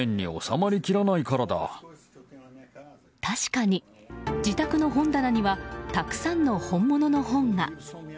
確かに自宅の本棚にはたくさんの本物の本が。